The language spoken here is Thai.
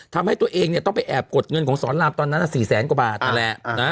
ทำให้ตัวเองต้องไปแอบกดเงินของสอนรามตอนนั้น๔แสนกว่าบาทนั่นแหละ